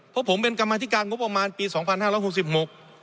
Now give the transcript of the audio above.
เพราะผมเป็นกรรมธิการงบประมาณปี๒๕๖๐มุข